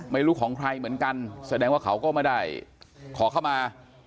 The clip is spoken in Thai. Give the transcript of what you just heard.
ไม่รู้ของใครเหมือนกันแสดงว่าเขาก็ไม่ได้ขอเข้ามา